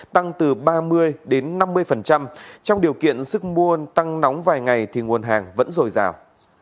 tăng từ ba mươi đến năm mươi trong điều kiện sức muôn tăng nóng vài ngày nguồn hàng vẫn rồi rào